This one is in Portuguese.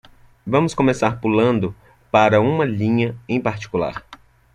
Vamos começar pulando para uma linha em particular.